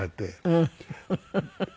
うん。